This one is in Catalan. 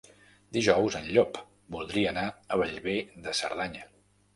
Dijous en Llop voldria anar a Bellver de Cerdanya.